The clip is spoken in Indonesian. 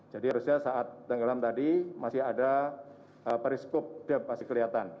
jadi harusnya saat tenggelam tadi masih ada periskop masih kelihatan